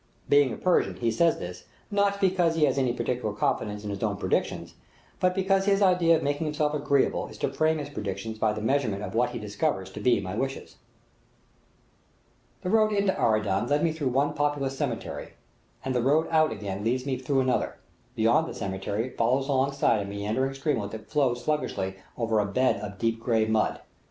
Being a Persian, he says this, not because he has any particular confidence in his own predictions, but because his idea of making himself agreeable is to frame his predictions by the measurement of what he discovers to be my wishes. The road into Aradan led me through one populous cemetery, and the road out again leads me through another; beyond the cemetery it follows alongside a meandering streamlet that flows, sluggishly along over a bed of deep gray mud.